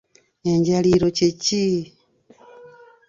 Enjaliiro kye ki?